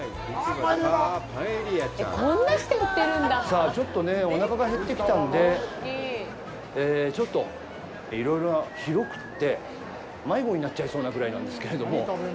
さあ、ちょっとね、おなかが減ってきたのでちょっといろいろな広くて、迷子になっちゃいそうなぐらいなんですけれども。